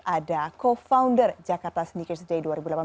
ada co founder jakarta sneaker day dua ribu delapan belas muhammad rian